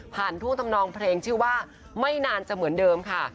ท่วงทำนองเพลงชื่อว่าไม่นานจะเหมือนเดิมค่ะ